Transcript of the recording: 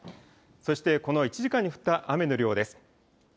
そして、この１時間に降った雨の量です。